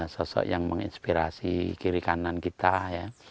sosok yang menginspirasi kiri kanan kita ya